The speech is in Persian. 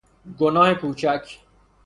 گناه کوچک